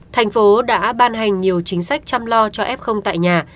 tp hcm đã ban hành nhiều chính sách chăm lo cho f tại nhà